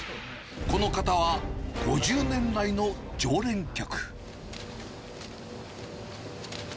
この方は、５０年来の常連客。